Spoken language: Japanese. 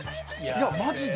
いやマジだ！